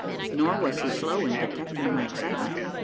Nor was he slow in detecting my excitement.